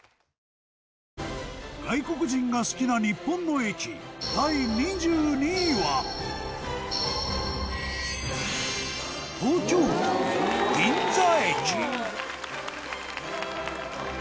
外国人が好きな日本の駅第２２位は羽田：銀座？